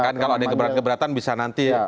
kan kalau ada yang keberatan keberatan bisa nanti